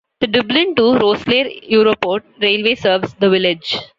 The Dublin to Rosslare Europort railway serves the village.